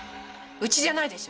うちじゃないでしょ。